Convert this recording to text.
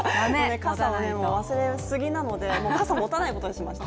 傘は忘れすぎなので、もう傘を持たないことにしました。